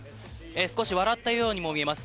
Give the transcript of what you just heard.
少し笑ったようにも見えます。